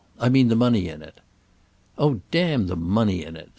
I mean the money in it." "Oh damn the money in it!"